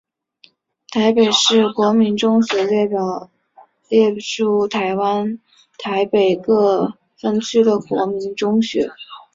台北市国民中学列表表列出台湾台北市各分区的国民中学。